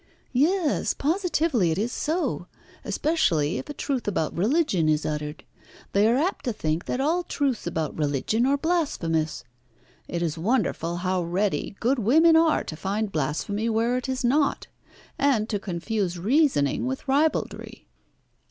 "Yes, positively it is so, especially if a truth about religion is uttered. They are apt to think that all truths about religion are blasphemous. It is wonderful how ready good women are to find blasphemy where it is not, and to confuse reasoning with ribaldry."